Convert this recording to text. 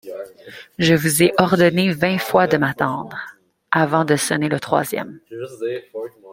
Je vous ai ordonné vingt fois de m’attendre, avant de sonner le troisième.